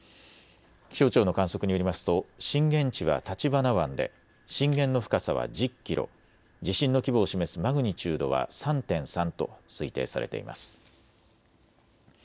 気象庁の観測によりますと震源地は橘湾で震源の深さは１０キロ、地震の規模を示すマグニチュードは３．３と推定されています。